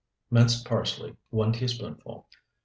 Minced parsley, 1 teaspoonful.